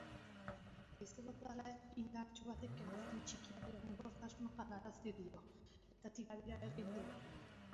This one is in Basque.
Haize bolada indartsu batek hegazkin txikiari egonkortasuna galarazi dio eta tirabira egin du.